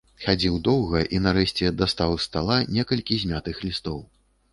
Хадзіў доўга і, нарэшце, дастаў з стала некалькі змятых лістоў.